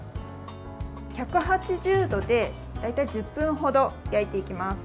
１８０度で大体１０分ほど焼いていきます。